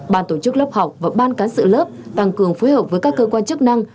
ban tổ chức lớp học và ban cán sự lớp tăng cường phối hợp với các cơ quan chức năng